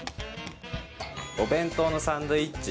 お弁当のサンドイッチ。